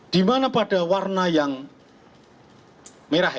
dimana pada warna yang merah ya